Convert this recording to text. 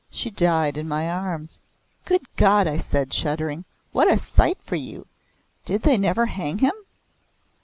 She died in my arms. "Good God!" I said, shuddering; "what a sight for you! Did they never hang him?"